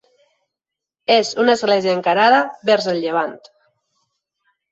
És una església encarada vers el llevant.